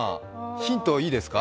ヒントいいですか。